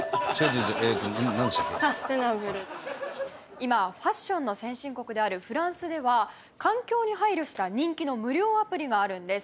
今ファッションの先進国であるフランスでは環境に配慮した人気の無料アプリがあるんです。